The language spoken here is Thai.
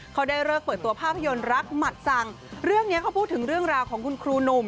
เขาได้เลิกเปิดตัวภาพยนตร์รักหมัดสั่งเรื่องนี้เขาพูดถึงเรื่องราวของคุณครูหนุ่ม